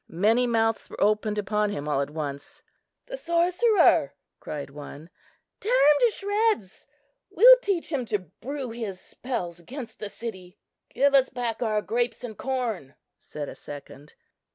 Many mouths were opened upon him all at once. "The sorcerer!" cried one; "tear him to shreds; we'll teach him to brew his spells against the city." "Give us back our grapes and corn," said a second.